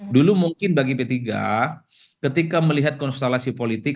dulu mungkin bagi p tiga ketika melihat konstelasi politik